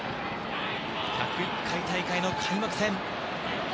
１０１回大会の開幕戦。